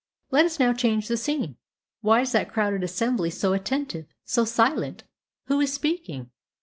Let us now change the scene. Why is that crowded assembly so attentive so silent? Who is speaking?